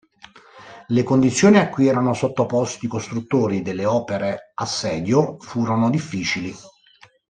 Le condizioni a cui erano sottoposti i costruttori delle opere assedio furono difficili.